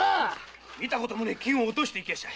見たこともねえ金を落としていきやした。